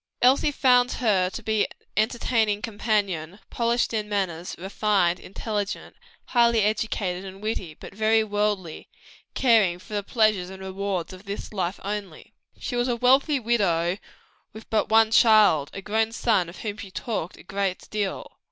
Elsie found her an entertaining companion, polished in manners, refined, intelligent, highly educated and witty; but a mere worldling, caring for the pleasures and rewards of this life only. She was a wealthy widow with but one child, a grown up son, of whom she talked a great deal.